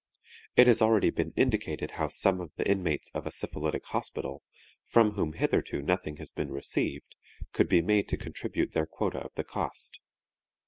It has already been indicated how some of the inmates of a syphilitic hospital, from whom hitherto nothing has been received, could be made to contribute their quota of the cost.